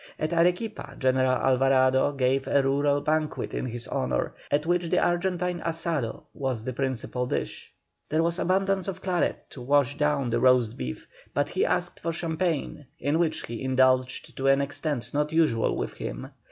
At Arequipa General Alvarado gave a rural banquet in his honour, at which the Argentine "Asado" was the principal dish. There was abundance of claret to wash down the roast beef, but he asked for champagne, in which he indulged to an extent not usual with him.